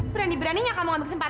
berani beraninya kamu ambil kesempatan